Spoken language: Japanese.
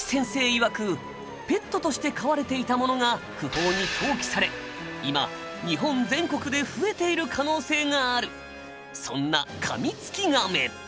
いわくペットとして飼われていたものが不法に投棄され今日本全国で増えている可能性があるそんなカミツキガメ。